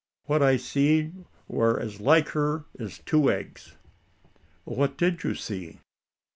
What I seed war as like her as two eggs." "What did you see?"